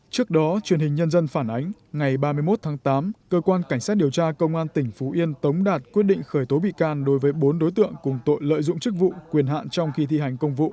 trước đó truyền hình nhân dân phản ánh ngày ba mươi một tháng tám cơ quan cảnh sát điều tra công an tỉnh phú yên tống đạt quyết định khởi tố bị can đối với bốn đối tượng cùng tội lợi dụng chức vụ quyền hạn trong khi thi hành công vụ